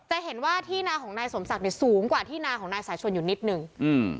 จะเห็นว่าที่นาของนายสมศักดิ์เนี่ยสูงกว่าที่นาของนายสายชนอยู่นิดนึงอืม